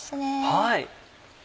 はい。